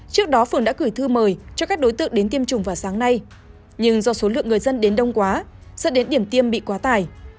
trước đó phường đã gửi thư mời cho các đối tượng đến tiêm chủng vào sáng nay nhưng do số lượng người dân đến đông quá dẫn đến điểm tiêm bị quá tải